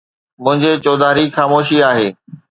منهنجي چوڌاري خاموشي آهي.